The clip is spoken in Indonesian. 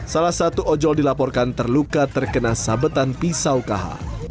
salah satu ojol dilaporkan terluka terkena sabetan pisau kh